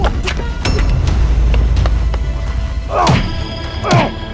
ya terima kasih